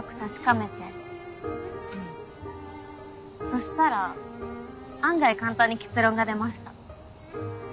そしたら案外簡単に結論が出ました。